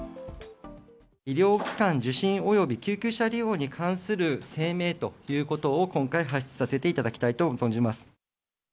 医療機関受診および救急車利用に関する声明ということを今回発出させていただきたいと存じます。